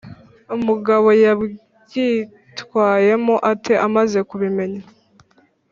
Umugabo yabyitwayemo ate amaze kubimenya?